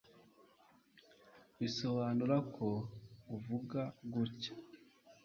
Bisobanura ko uvuga gutya